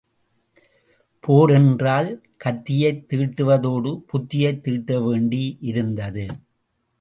போர் என்றால் கத்தியைத் தீட்டுவதோடு புத்தியைத் தீட்ட வேண்டி இருந்தது.